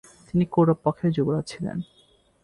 তিনি কৌরব পক্ষের যুবরাজ ছিলেন।